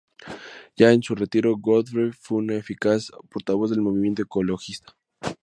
Ya en su retiro, Godfrey fue un eficaz portavoz del movimiento ecologista.